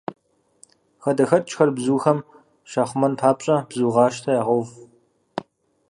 Хадэхэкӏхэр бзухэм щахъумэн папщӏэ, бзугъащтэ ягъэув.